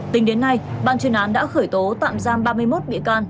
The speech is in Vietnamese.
tính đến nay ban chuyên án đã khởi tố tạm giam ba mươi một bị can